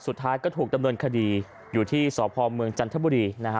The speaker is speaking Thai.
สุดท้ายก็ถูกดำเนินคดีอยู่ที่สพเมืองจันทบุรีนะฮะ